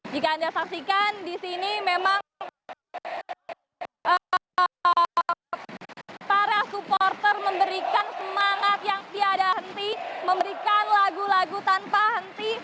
jika anda saksikan di sini memang para supporter memberikan semangat yang tiada henti memberikan lagu lagu tanpa henti